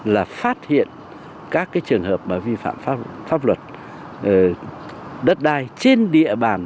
là phát hiện các cái trường hợp mà vi phạm pháp luật đất đai trên địa bàn